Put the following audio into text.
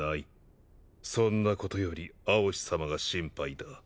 そんなことより蒼紫さまが心配だ。